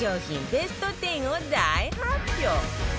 ベスト１０を大発表